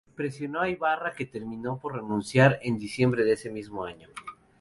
Presionó a Ibarra, que terminó por renunciar en diciembre de ese mismo año.